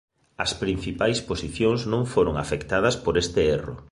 As principais posicións non foron afectadas por este erro.